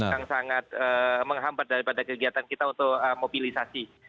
yang sangat menghambat daripada kegiatan kita untuk mobilisasi